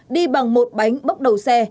đi bằng một bánh bốc đầu xe